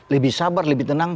lebih sabar lebih tenang